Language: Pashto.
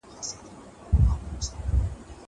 زه پرون قلمان پاک کړل!